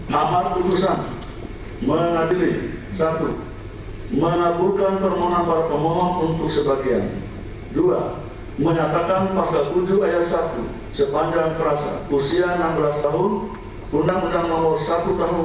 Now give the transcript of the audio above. menyatakan pasal tujuh ayat satu sepanjang perasaan usia enam belas tahun